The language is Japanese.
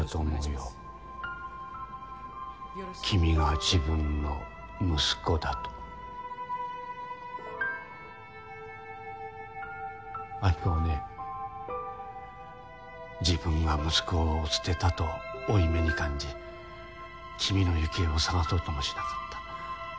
よろしく君が自分の息子暁子はね自分が息子を捨てたと負い目に感じ君の行方を捜そうともしなかった。